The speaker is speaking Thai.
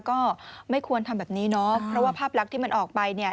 ก็ไม่ควรทำแบบนี้เนาะเพราะว่าภาพลักษณ์ที่มันออกไปเนี่ย